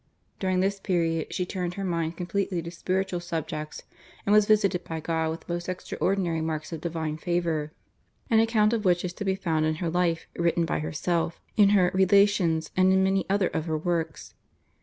During this period she turned her mind completely to spiritual subjects, and was visited by God with most extraordinary marks of divine favour, an account of which is to be found in her life written by herself, in her /Relations/, and in many other of her works.